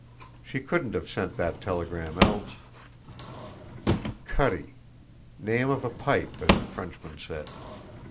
She couldn't have sent that telegram else. Cutty name of a pipe, as the Frenchmen said!